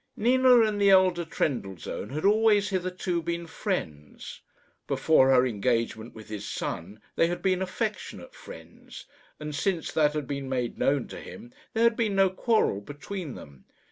Nina and the elder Trendellsohn had always hitherto been friends. Before her engagement with his son they had been affectionate friends, and since that had been made known to him there had been no quarrel between them.